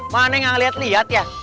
mana yang liat liat ya